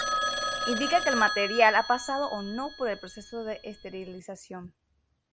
Indica que el material ha pasado o no por el proceso de esterilización.